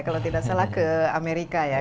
kalau tidak salah ke amerika ya